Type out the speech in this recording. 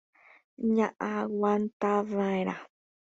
ña'aguantava'erã